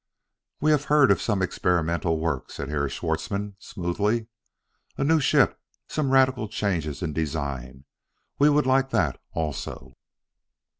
"We have heard of some experimental work," said Herr Schwartzmann smoothly. "A new ship; some radical changes in design. We would like that also."